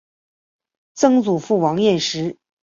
曾祖父王彦实。